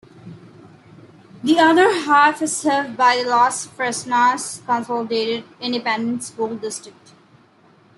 The other half is served by the Los Fresnos Consolidated Independent School District.